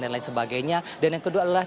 dan lain sebagainya dan yang kedua adalah